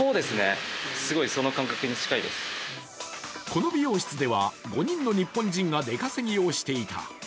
この美容室では５人の日本人が出稼ぎをしていた。